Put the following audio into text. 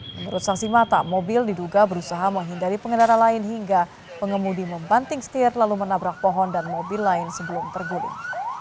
menurut saksi mata mobil diduga berusaha menghindari pengendara lain hingga pengemudi membanting setir lalu menabrak pohon dan mobil lain sebelum terguling